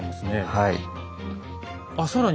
はい。